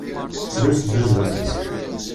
Tettru tezzuzzun mmi-s.